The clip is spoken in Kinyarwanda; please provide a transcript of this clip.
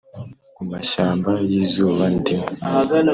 ku mashyamba yizuba ndimo.